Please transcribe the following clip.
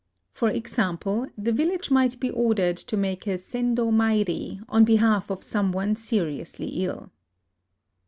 For example, the village might be ordered to make a sendo mairi^ on behalf of some one seriously ill.